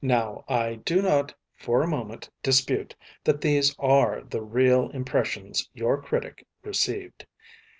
Now, I do not for a moment dispute that these are the real impressions your critic received.